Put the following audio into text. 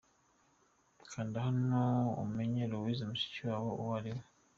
Kanda hano umenye Louise Mushikiwabo uwo ari we.